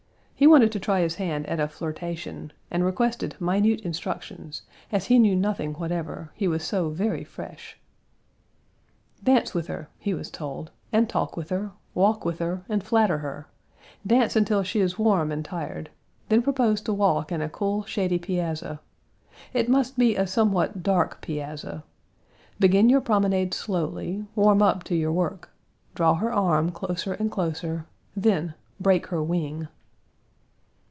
He wanted to try his hand at a flirtation, and requested minute instructions, as he knew nothing whatever: he was so very fresh. "Dance with her," he was told, "and talk with her; walk with her and flatter her; dance until she is warm and tired; then propose to walk in a cool, shady piazza. It must be a somewhat dark piazza. Begin your promenade slowly; warm up to your work; draw her arm closer and closer; then, break her wing."